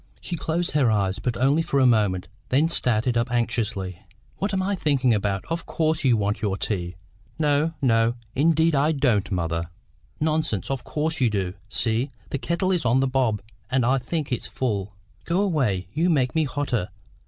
She closed her eyes, but only for a moment, then started up anxiously. "What am I thinking about! Of course you want your tea." "No, no; indeed I don't, mother." "Nonsense; of course you do. See, the kettle is on the hob, and I think it's full. Go away; you make me hotter.